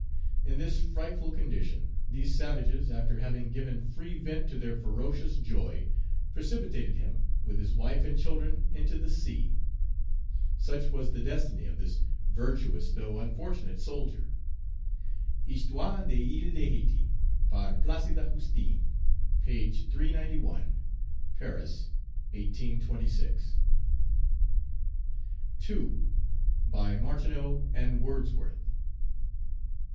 In this frightful condition, these savages, after having given free vent to their ferocious joy, precipitated him, with his wife and children, into the sea. Such was the destiny of this virtuous though unfortunate soldier." Histoire de l'Ile d'Hayti, par Placide Justine, p. 391 Paris, 1826. Page 337 II. BY MARTINEAU AND WORDSWORTH.